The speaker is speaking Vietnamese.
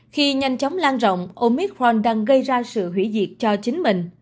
khi nhanh chóng lan rộng omicron đang gây ra sự hủy diệt cho chính mình